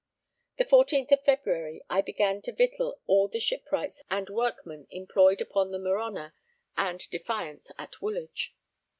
The 14th of February, I began to victual all the shipwrights and workmen employed upon the Merhonor and Defiance at Woolwich.